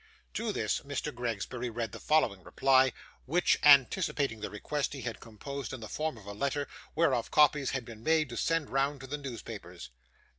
To this, Mr. Gregsbury read the following reply, which, anticipating the request, he had composed in the form of a letter, whereof copies had been made to send round to the newspapers.